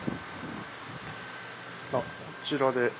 あっこちらで。